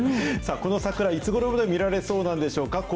さあ、この桜、いつごろぐらいまで見られそうなんでしょうか。